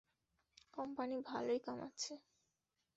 Company ভালোই কামাচ্ছে।